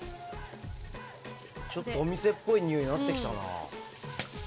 ちょっとお店っぽいにおいになってきたな。